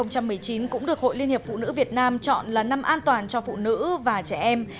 năm hai nghìn một mươi chín cũng được hội liên hiệp phụ nữ việt nam chọn là năm an toàn cho phụ nữ và trẻ em